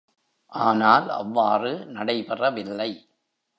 ஆனால், அவ்வாறு நடைபெறவில்லை.